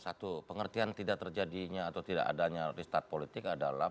satu pengertian tidak terjadinya atau tidak adanya restart politik adalah